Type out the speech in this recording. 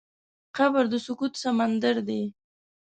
قبر د سکوت سمندر دی.